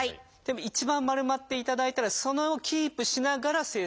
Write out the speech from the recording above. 一番丸まっていただいたらそれをキープしながら正座します。